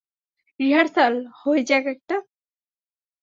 Rehearsal হয়ে যাক একটা।